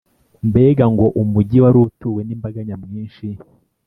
Mbega ngo umugi wari utuwe n’imbaga nyamwinshi